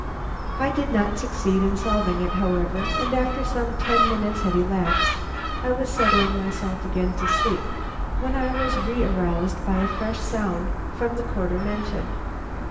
I did not succeed in solving it, however, and after some ten minutes had elapsed, I was settling myself again to sleep when I was re aroused by a fresh sound from the quarter mentioned.